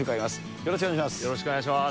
よろしくお願いします。